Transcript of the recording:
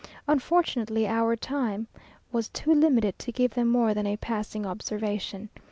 Unfortunately, our time was too limited to give them more than a passing observation.